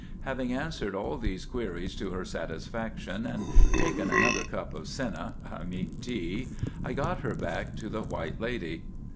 Having answered all these queries to her satisfaction, and taken another cup of senna—I mean tea—I got her back to the White Lady.